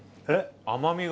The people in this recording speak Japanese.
甘みが。